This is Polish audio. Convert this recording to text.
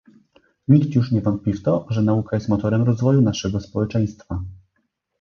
Nikt już nie wątpi w to, że nauka jest motorem rozwoju naszego społeczeństwa